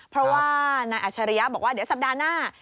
เพราะว่านายอัชริยะบอกว่าเดี๋ยวสัปดาห์หน้า